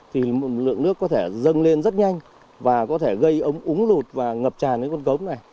thì lượng nước có thể dâng lên rất nhanh và có thể gây ống úng lụt và ngập tràn đến con cống này